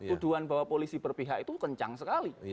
tuduhan bahwa polisi berpihak itu kencang sekali